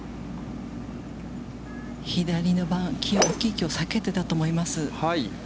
左の大きい木を避けてたと思います。